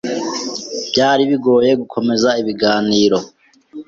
Byari bigoye gukomeza ibiganiro.